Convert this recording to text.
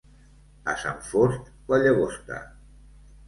A Sant Fost, la Llagosta.